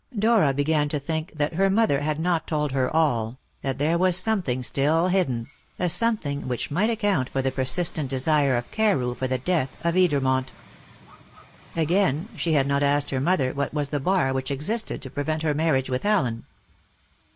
Dora began to think that her mother had not told her all, that there was something still hidden a something which might account for the persistent desire of Carew for the death of Edermont. Again, she had not asked her mother what was the bar which existed to prevent her marriage with Allen.